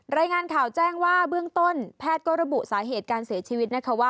รายงานข่าวแจ้งว่าเบื้องต้นแพทย์ก็ระบุสาเหตุการเสียชีวิตนะคะว่า